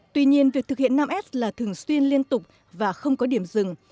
tuy nhiên việc thực hiện năm s là thường xuyên liên tục và không có điểm dừng